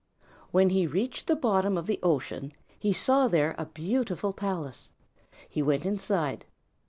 When he reached the bottom of the ocean he saw there a beautiful palace. He went inside.